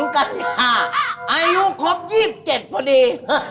๒๒กันอายุครบ๒๗พอดี